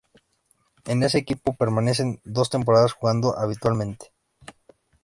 En este equipo permanece dos temporada jugando habitualmente.